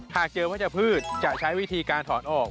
ถ้าเจอว่าจะพืชจะใช้วิธีการถอนออก